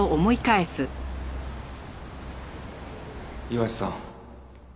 岩瀬さん。